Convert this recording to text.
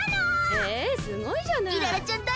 へえすごいじゃない！